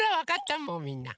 もうみんな。